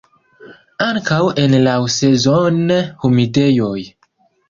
Ankaŭ en laŭsezone humidejoj.